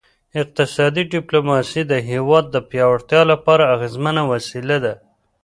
اقتصادي ډیپلوماسي د هیواد د پیاوړتیا لپاره اغیزمنه وسیله ده